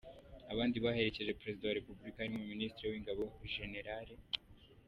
Abandi baherekeje perezida wa republika harimo minisitiri w’ingabo gen.